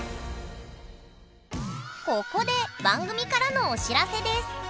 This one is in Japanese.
ここで番組からのお知らせです